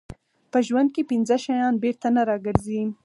په ژوند کې پنځه شیان بېرته نه راګرځي.